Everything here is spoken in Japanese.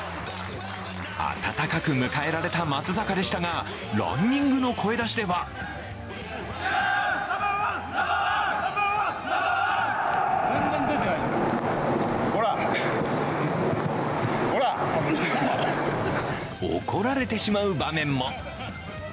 温かく迎えられた松坂でしたがランニングの声出しでは怒られてしまう場面も。